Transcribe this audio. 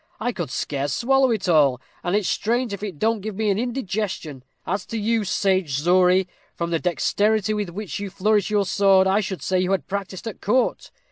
I could scarce swallow it all, and it's strange if it don't give me an indigestion. As to you, sage Zory, from the dexterity with which you flourish your sword, I should say you had practised at court.